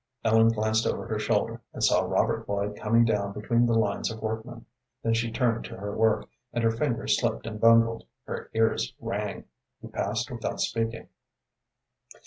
Ellen glanced over her shoulder and saw Robert Lloyd coming down between the lines of workmen. Then she turned to her work, and her fingers slipped and bungled, her ears rang. He passed without speaking.